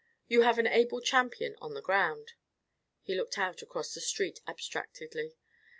You have an able champion on the ground." He looked out across the street abstractedly.